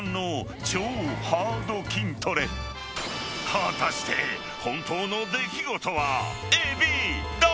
［果たして本当の出来事はＡＢどっち？］